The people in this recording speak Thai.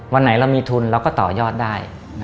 วันไหนเรามีทุนเราก็ต่อยอดได้